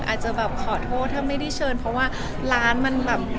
อาจจะแบบขอโทษถ้าไม่ได้เชิญเพราะว่าร้านมันแบบ